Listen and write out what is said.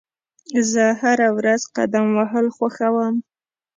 زه هره ورځ قدم وهل خوښوم.